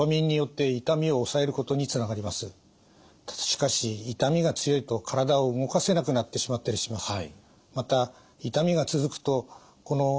しかし痛みが強いと体を動かせなくなってしまったりします。